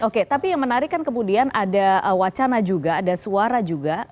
oke tapi yang menarik kan kemudian ada wacana juga ada suara juga